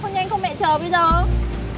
không nhanh không mẹ chờ bây giờ